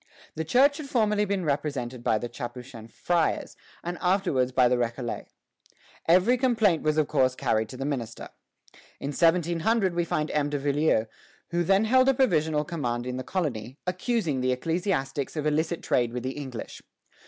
" The Church had formerly been represented by the Capuchin friars, and afterwards by the Récollets. Every complaint was of course carried to the minister. In 1700 we find M. de Villieu, who then held a provisional command in the colony, accusing the ecclesiastics of illicit trade with the English.